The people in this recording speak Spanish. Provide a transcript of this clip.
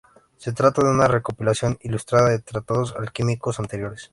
Se trata de una recopilación ilustrada de tratados alquímicos anteriores.